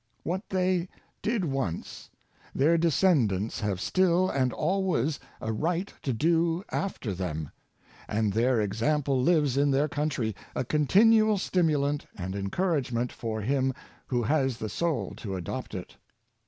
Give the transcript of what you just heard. What they did once, their descendants have still and always a right to do after them; and their example lives in their country, a continual stimulant and encouragement for him who has the soul to adopt it."